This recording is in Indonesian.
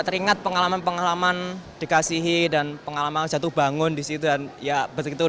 teringat pengalaman pengalaman dikasihi dan pengalaman jatuh bangun disitu dan ya begitu